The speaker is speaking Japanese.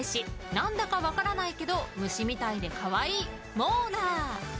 何だか分からないけど虫みたいで可愛い、モーラー。